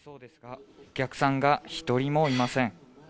お客さんが１人もいません。